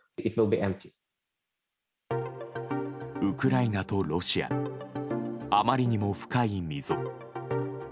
ウクライナとロシアあまりにも深い溝。